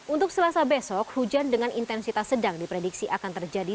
untuk selasa besok hujan dengan intensitas sedang diprediksi akan terjadi